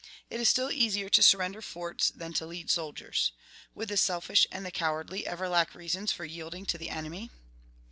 It is still easier to surrender forts than to lead soldiers. Would the selfish and the cowardly ever lack reasons for yielding to the enemy?